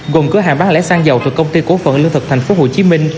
gồm cửa hàng bán lẻ xăng dầu từ công ty cố phận lương thực tp hcm